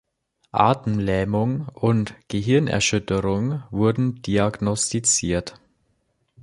Atemlähmung und Gehirnerschütterung wurden diagnostiziert.